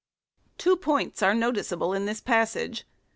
1 Two points are noticeable in this passage.